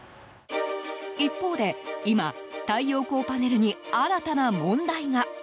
一方で、今太陽光パネルに新たな問題が。